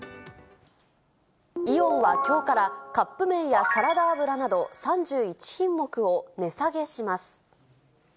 イオンはきょうから、カップ麺やサラダ油など３１品目を値下げします。